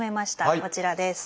こちらです。